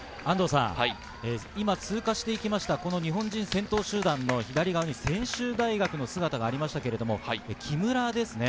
今、通過してきました日本人先頭集団の左側に専修大学の姿がありましたが、木村ですね。